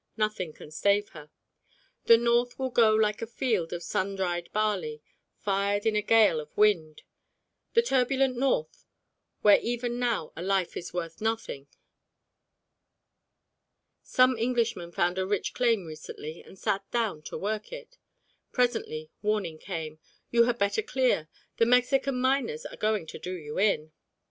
Nothing can save her. The North will go like a field of sundried barley, fired in a gale of wind: the turbulent North, where even now a life is worth nothing. Some Englishmen found a rich claim recently, and sat down to work it. Presently warning came, "You had better clear. The Mexican miners are going to 'do you in.'"